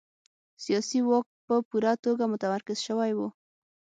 سیاسي واک په پوره توګه متمرکز شوی و.